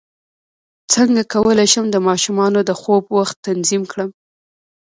څنګه کولی شم د ماشومانو د خوب وخت تنظیم کړم